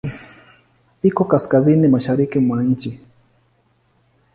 Iko Kaskazini mashariki mwa nchi.